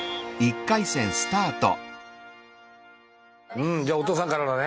うんじゃあお父さんからだね。